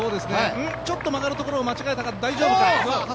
ちょっと曲がるところを間違えたか。